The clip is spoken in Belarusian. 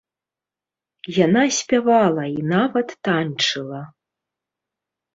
Яна спявала і нават танчыла.